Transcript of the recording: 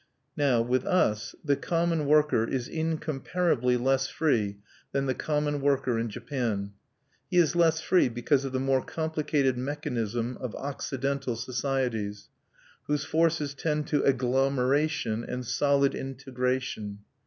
Now, with us, the common worker is incomparably less free than the common worker in Japan. He is less free because of the more complicated mechanism of Occidental societies, whose forces tend to agglomeration and solid integration.